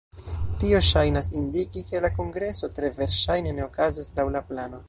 Tio ŝajnas indiki, ke la kongreso tre verŝajne ne okazos laŭ la plano.